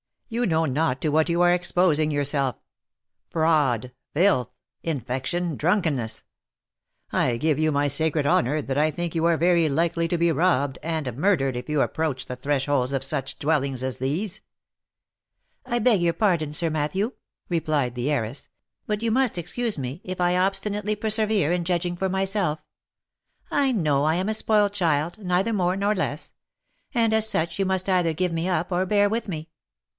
You know not to what you are exposing yourself — fraud, filth, infection, drunkenness ! I give you my sacred honour that I think you are very likely to be robbed and murdered if you approach the thresholds of such dwellings as these." " I beg your pardon, Sir Matthew," replied the heiress, " but you must excuse me if I obstinately persevere in judging for myself; I know I am a spoiled child, neither more nor less ; and as such you must either give me up or bear with me.